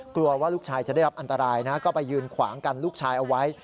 กลัวว่าลูกชายจะได้รับอันตรายนะก็ไปยืนขวางกันลูกชายเอาไว้